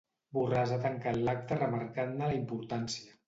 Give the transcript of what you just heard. Borràs ha tancat l'acte remarcant-ne la importància.